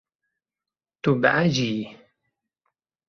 Tu behecî yî.